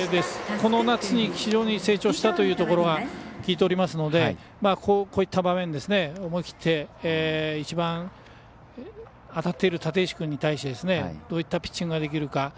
この夏に非常に成長したというところは聞いておりますのでこういった場面思い切って一番当たっている立石君に対して、どういったピッチングができるか。